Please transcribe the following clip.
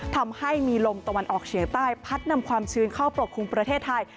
ทำให้มีลมตะวันออกเฉียงใต้พัดนำความชื้นเข้าปกคลุมประเทศไทย